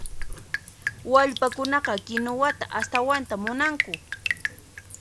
Wallpakunaqa kinuwata astawanta munanku.